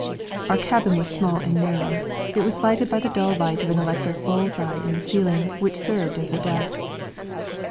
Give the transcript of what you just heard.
Our cabin was small and narrow. It was lighted by the dull light of an electric bull's eye in the ceiling which served as a deck.